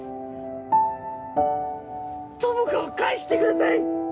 友果を返してください！